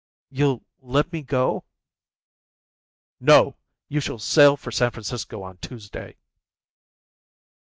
"You'll let me go?" "No. You shall sail for San Francisco on Tuesday."